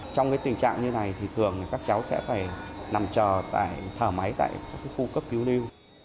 trong tình trạng như này thì thường các cháu sẽ phải nằm chờ thở máy tại khu cấp cứu lưu